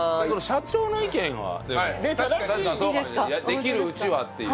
できるうちはっていう。